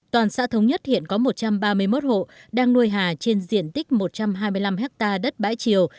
toàn xã thống nhất hiện có một trăm ba mươi một hộ đang nuôi hà trên diện tích một trăm hai mươi năm ha đất bãi chiều